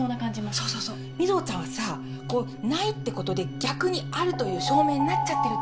そうそうそう瑞穂ちゃんはさないってことで逆にあるという証明になっちゃってるっていうか。